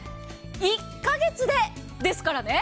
１カ月でですからね。